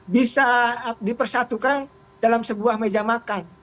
bisa dipersatukan dalam sebuah meja makan